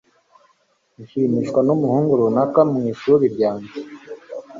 Nshimishwa numuhungu runaka mwishuri ryanjye.